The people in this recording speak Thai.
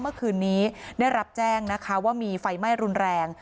เมื่อคืนนี้ได้รับแจ้งนะคะว่ามีไฟไหม้รุนแรง